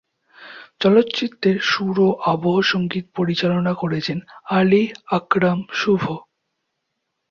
চলচ্চিত্রের সুর ও আবহ সঙ্গীত পরিচালনা করেছেন আলী আকরাম শুভ।